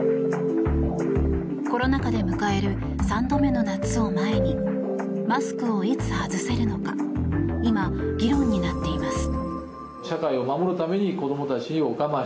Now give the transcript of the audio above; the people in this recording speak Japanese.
コロナ禍で迎える３度目の夏を前にマスクをいつ外せるのか今、議論になっています。